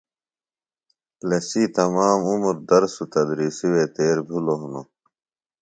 لسی تمامی عمر درس و تدریسی وے تیر بھِلوۡ ہِنوۡ۔